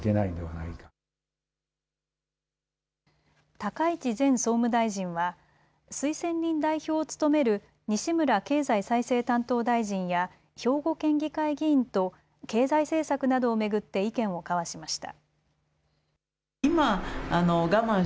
高市前総務大臣は推薦人代表を務める西村経済再生担当大臣や兵庫県議会議員と経済政策などを巡って意見を交わしました。